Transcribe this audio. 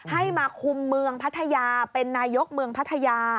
ให้มาคุมเมืองพัทยาเป็นนายกเมืองพัทยา